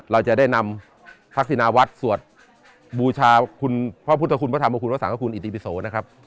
เราจะได้นำศักดินาวัตรสวัสดิ์บูชาพระพุทธคุณพระธรรมคุณศักดิ์คุณอิติพิโสนะครับ